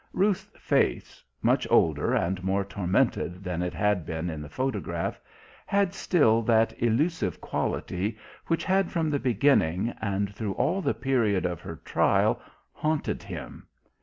Ruth's face, much older and more tormented than it had been in the photograph, had still that elusive quality which had from the beginning and through all the period of her trial haunted him.